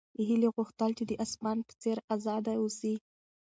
هیلې غوښتل چې د اسمان په څېر ازاده اوسي.